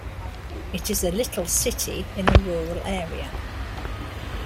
It is a little city in a rural area.